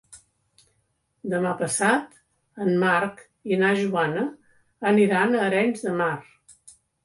Demà passat en Marc i na Joana aniran a Arenys de Mar.